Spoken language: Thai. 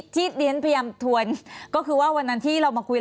ที่เรียนพยายามทวนก็คือว่าวันนั้นที่เรามาคุย